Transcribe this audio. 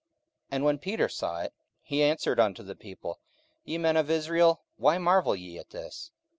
44:003:012 And when Peter saw it, he answered unto the people, Ye men of Israel, why marvel ye at this?